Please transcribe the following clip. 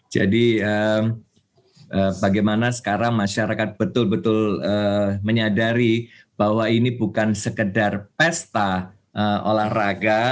jadi bagaimana sekarang masyarakat betul betul menyadari bahwa ini bukan sekedar pesta olahraga